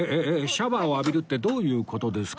シャワーを浴びるってどういう事ですか？